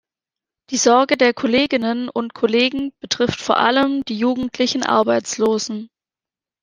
Die Sorge der Kolleginnen und Kollegen betrifft vor allem die jugendlichen Arbeitslosen.